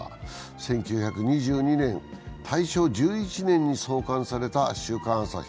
１９２２年、大正１１年に創刊された「週刊朝日」。